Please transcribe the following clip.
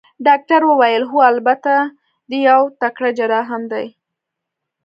ډاکټر وویل: هو، البته دی یو تکړه جراح هم دی.